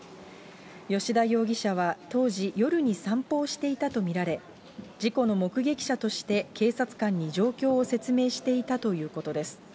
吉田容疑者は当時、夜に散歩していたと見られ、事故の目撃者として警察官に状況を説明していたということです。